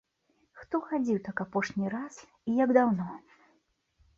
Хто хадзіў так апошні раз і як даўно?